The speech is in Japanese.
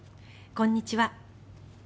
こんにちは。